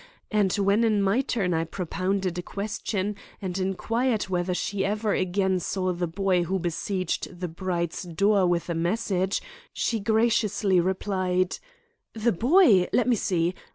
And when in my turn I propounded a question and inquired whether she ever again saw the boy who besieged the bride's door with a message, she graciously replied: "The boy; let me see.